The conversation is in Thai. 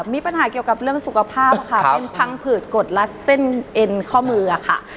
มีปัญหาเกี่ยวกับเรื่องสุขภาพค่ะเป็นพังผืดกดรัดเส้นเอ็นข้อมือค่ะ